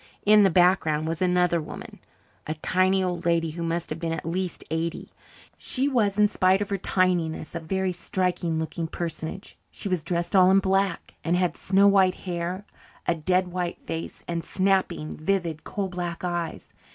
In the background was another woman a tiny old lady who must have been at least eighty. She was, in spite of her tininess, a very striking looking personage; she was dressed all in black, and had snow white hair, a dead white face, and snapping, vivid, coal black eyes.